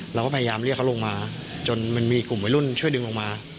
เราก็พยายามเรียกเขาลงมาจนมันมีกลุ่มวัยรุ่นช่วยดึงลงมา